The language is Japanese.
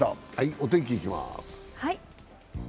お天気いきます。